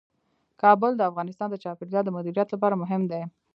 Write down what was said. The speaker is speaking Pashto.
کابل د افغانستان د چاپیریال د مدیریت لپاره مهم دي.